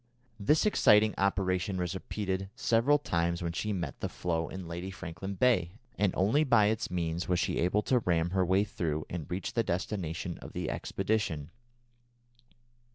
This exciting operation was repeated several times when she met the floe in Lady Franklin Bay, and only by its means was she able to ram her way through and reach the destination of the expedition.